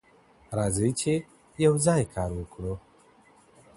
راځئ چي يو ځای کار وکړو.